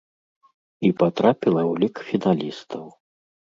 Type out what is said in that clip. І патрапіла ў лік фіналістаў.